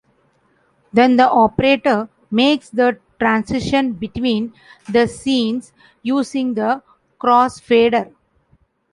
Then, the operator makes the transition between the scenes using the cross-fader.